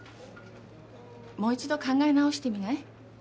もう一度考え直してみない？